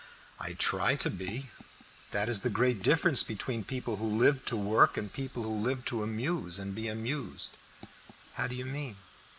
"I try to be. That is the great difference between people who live to work and people who live to amuse and be amused." "How do you mean?"